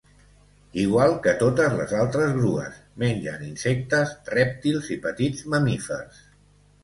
Igual que totes les altres grues, mengen insectes, rèptils i petits mamífers.